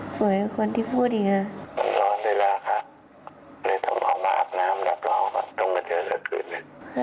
สวยกับคนที่พูดดีค่ะ